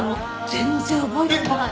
全然覚えてない。